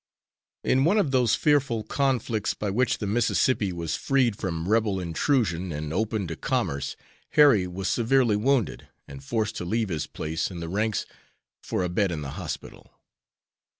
In one of those fearful conflicts by which the Mississippi was freed from Rebel intrusion and opened to commerce Harry was severely wounded, and forced to leave his place in the ranks for a bed in the hospital.